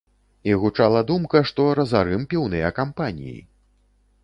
І гучала думка, што разарым піўныя кампаніі.